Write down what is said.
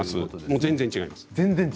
全然違います。